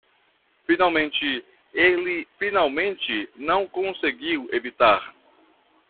Finalmente, ele finalmente não conseguiu evitar.